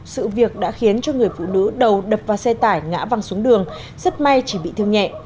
sự việc đã khiến cho người phụ nữ đầu đập vào xe tải ngã văng xuống đường rất may chỉ bị thương nhẹ